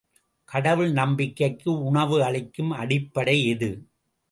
கடவுள் நம்பிக்கைக்கு உணவு அளிக்கும் அடிப்படை எது?